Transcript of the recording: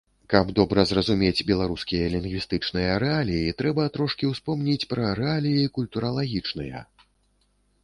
Каб добра зразумець беларускія лінгвістычныя рэаліі, трэба трошкі успомніць пра рэаліі культуралагічныя.